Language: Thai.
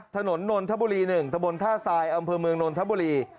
นนทบุรี๑ตะบนท่าทรายอำเภอเมืองนนทบุรี